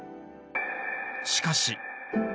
しかし！